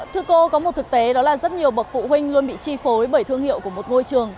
thưa cô có một thực tế đó là rất nhiều bậc phụ huynh luôn bị chi phối bởi thương hiệu của một ngôi trường